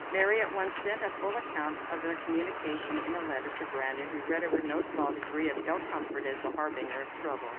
Mary at once sent a full account of the communication in a letter to Brandon, who read it with no small degree of ill comfort as the harbinger of trouble.